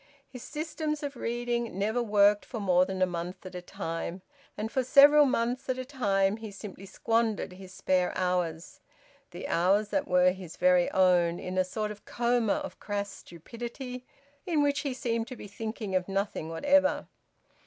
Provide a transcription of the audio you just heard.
His systems of reading never worked for more than a month at a time. And for several months at a time he simply squandered his spare hours, the hours that were his very own, in a sort of coma of crass stupidity, in which he seemed to be thinking of nothing whatever.